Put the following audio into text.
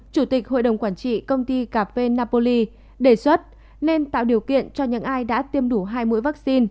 chủ tịch hội đồng quản trị công ty cà phê napoli đề xuất nên tạo điều kiện cho những ai đã tiêm đủ hai mũi vaccine